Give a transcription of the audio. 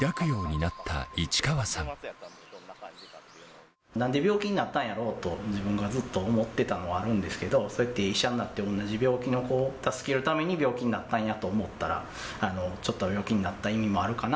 なんで病気になったんやろうと、自分がずっと思ってたのもあるんですけど、そうやって医者になって、同じ病気の子を助けるために病気になったんやと思ったら、ちょっと病気になった意味もあるかな。